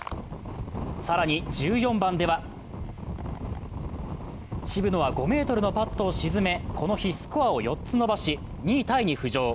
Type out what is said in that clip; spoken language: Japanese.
更に１４番では渋野は５ｍのパットを沈め、この日スコアを４つ伸ばし、２位タイに浮上。